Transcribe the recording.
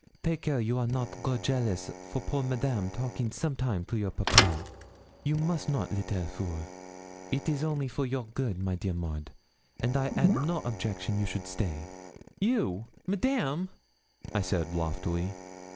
Take care you are not grow jealous for poor Madame talking sometime to your papa; you must not, little fool. It is only for a your good, my dear Maud, and I had no objection you should stay.' 'You! Madame!' I said loftily.